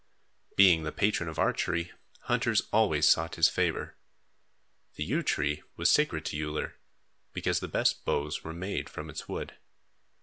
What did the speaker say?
Being the patron of archery, hunters always sought his favor. The yew tree was sacred to Uller, because the best bows were made from its wood.